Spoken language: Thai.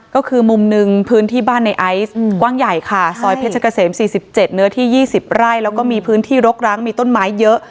ก็คือมุมหนึ่งพื้นที่บ้านในไอซ์กว้างใหญ่ค่ะซอยเพชรเกษม๔๗เนื้อที่๒๐ไร่แล้วก็มีพื้นที่รกร้างมีต้นไม้เยอะ